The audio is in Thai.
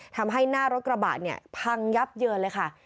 ทำให้หน้ารถกระบะเนี่ยพังยับเยินเลยค่ะ